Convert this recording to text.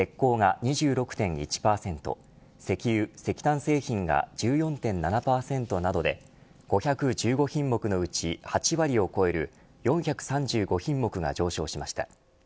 石油、石炭製品が１４．７％などで５１５品目のうち８割を超える４３５品目が上昇しました。